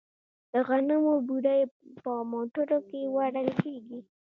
د غنمو بورۍ په موټرو کې وړل کیږي.